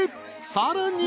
さらに］